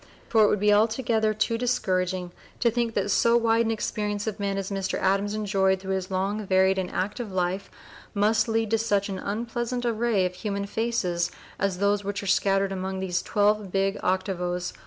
For it would be altogether too discouraging to think that so wide an experience of men as Mr. Adams enjoyed through his long, varied, and active life must lead to such an unpleasant array of human faces (p. 010) as those which are scattered along these twelve big octavos.